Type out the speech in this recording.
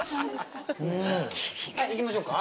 行きましょうか。